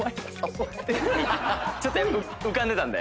ちょっと浮かんでたんで。